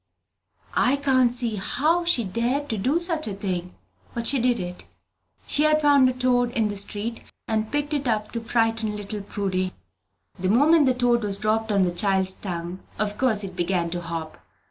I can't see how she dared do such a thing; but she did it. She had found the toad in the street, and picked it up to frighten little Prudy. The moment the toad was dropped on the child's tongue of course it began to hop.